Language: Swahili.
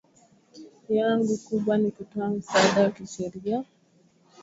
yangu kubwa ni kutoa msaada wa kisheria alisemaNimeoa Tarime mke wangu ni mwanasheria